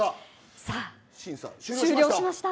審査、終了しました。